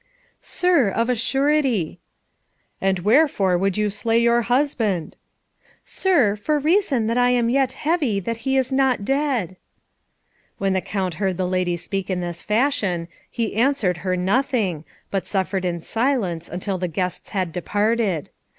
"Sir, of a surety." "And wherefore would you slay your husband?" "Sir, for reason that I am yet heavy that he is not dead." When the Count heard the lady speak in this fashion, he answered her nothing, but suffered in silence until the guests had departed.